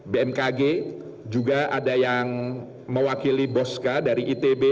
bmkg juga ada yang mewakili boska dari itb